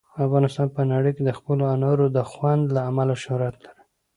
افغانستان په نړۍ کې د خپلو انارو د خوند له امله شهرت لري.